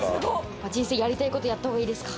人生やりたい事やったほうがいいですか？